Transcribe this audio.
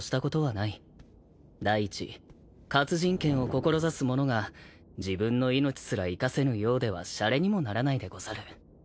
第一活人剣を志す者が自分の命すら生かせぬようではしゃれにもならないでござる。